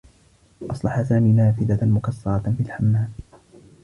أصلح سامي نافذة مكسّرة في الحمّام.